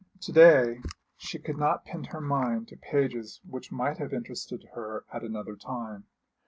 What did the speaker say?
To day she could not pin her mind to pages which might have interested her at another time.